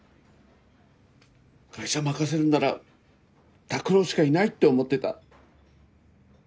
会社任せるなら拓郎しかいないって思ってた。